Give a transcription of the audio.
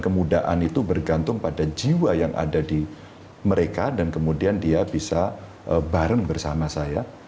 kemudaan itu bergantung pada jiwa yang ada di mereka dan kemudian dia bisa bareng bersama saya